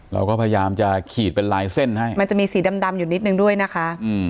เราก็พยายามจะขีดเป็นลายเส้นให้มันจะมีสีดำอยู่นิดนึงด้วยนะคะ